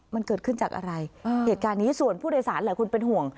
มันเกิดขึ้นจากอะไรเหตุการณ์นี้ส่วนผู้โดยสารหลายคนเป็นห่วง